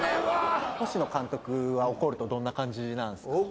星野監督は怒るとどんな感じなんですか？